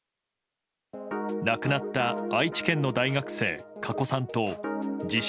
亡くなった愛知県の大学生加古さんと自称